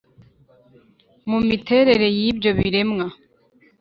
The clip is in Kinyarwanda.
mu miterere y ibyo biremwa